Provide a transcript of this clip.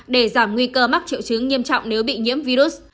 để giảm nguy cơ mắc triệu chứng nghiêm trọng nếu bị nhiễm virus